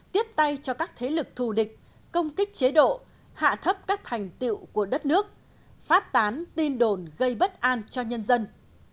tiếp tay cho các thế lực thù địch công kích chế độ hạ thấp các thành tiệu của đất nước phát tán tin đồn gây bất an cho nhân dân